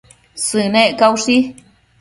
Sënec caushi